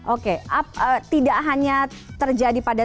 oke tidak hanya terjadi pada